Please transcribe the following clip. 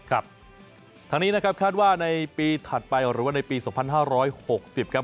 ครับทางนี้นะครับคาดว่าในปีถัดไปหรือว่าในปี๒๕๖๐ครับ